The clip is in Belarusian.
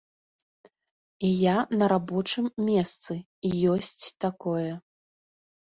Я на рабочым месцы, ёсць такое.